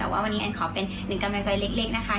วันนี้อันขอเป็นหนึ่งกำลังใจเล็กนะคะ